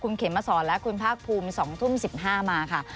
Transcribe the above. หมดเวลาของรายการครับ